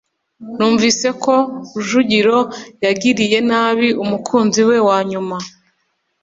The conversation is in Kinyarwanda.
numvise ko rujugiro yagiriye nabi umukunzi we wa nyuma